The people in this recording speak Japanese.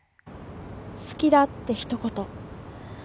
「好きだ」ってひと言。